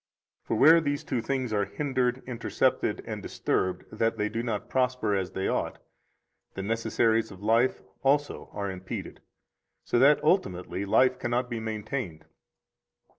For where these two things are hindered [intercepted and disturbed] that they do not prosper as they ought, the necessaries of life also are impeded, so that ultimately life cannot be maintained.